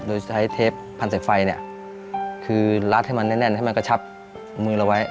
โดยใช้เทปพันใส่ไฟเนี่ยคือรัดให้มันแน่นให้มันกระชับมือเราไว้